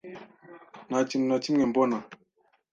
Nta kintu na kimwe mbona